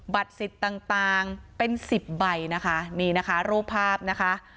สิทธิ์ต่างต่างเป็นสิบใบนะคะนี่นะคะรูปภาพนะคะ